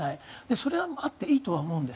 それはあっていいとは思うんです。